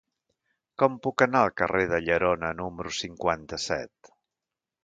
Com puc anar al carrer de Llerona número cinquanta-set?